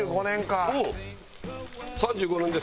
３５年ですよ。